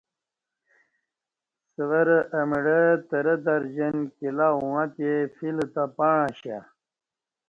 سورہ اہ مڑہ ترہ درجن کیلہ اوݣہ تے فیل تہ پݩع اشہ